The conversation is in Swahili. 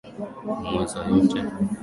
Mweza yote.